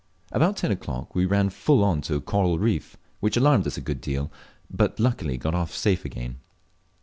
About ten o'clock we ran full on to a coral reef, which alarmed us a good deal, but luckily got safe off again.